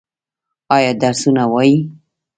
ایا درسونه وايي؟